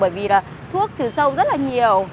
bởi vì là thuốc trừ sâu rất là nhiều